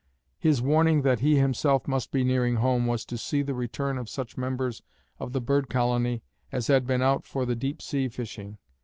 His warning that he himself must be nearing home was to see the return of such members of the bird colony as had been out for the deep sea fishing.